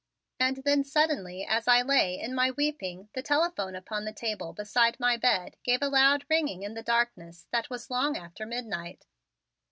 And then suddenly as I lay in my weeping the telephone upon the table beside my bed gave a loud ringing in the darkness that was long after midnight.